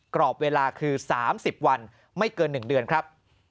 กรอบเวลาคือ๓๐วันไม่เกิน๑เดือนครับ